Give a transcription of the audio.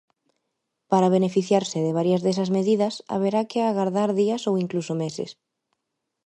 Para beneficiarse de varias desas medidas haberá que agardar días ou incluso meses.